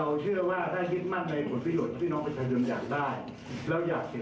วันนี้ป้องหมายเราคือทำให้พี่น้องก็จะสูงถูกพ้นจากสภาพที่เป็นอยู่เหมือนเดิม